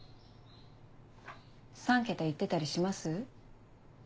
３桁行ってたりします？